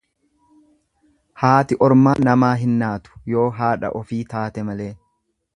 Haati ormaa namaa hin naatu yoo haadha ofii taate malee.